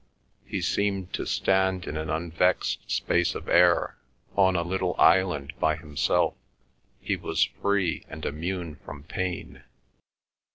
He seemed to stand in an unvexed space of air, on a little island by himself; he was free and immune from pain.